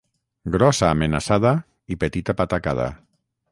Grossa amenaçada i petita patacada.